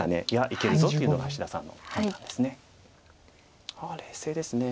「いやいけるぞ」というのが志田さんの判断です。